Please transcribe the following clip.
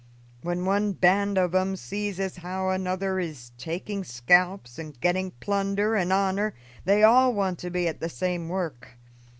When one band of 'em sees as how another is taking scalps and getting plunder and honor, they all want to be at the same work.